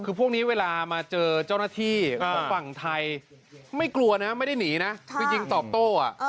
คือพวกนี้เวลามาเจอเจ้าหน้าที่ของฝั่งไทยไม่กลัวนะไม่ได้หนีนะคือยิงตอบโต้